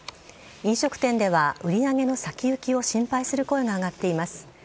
飲食店では売上の先行きを心配する声が上がっています。